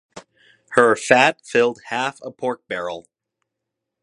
Her fat filled half a pork-barrel.